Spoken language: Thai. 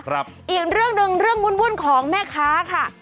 อีกเรื่องหนึ่งเรื่องวุ่นของแม่ค้าค่ะ